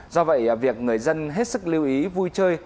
do vậy việc người dân hết sức lưu ý vui chơi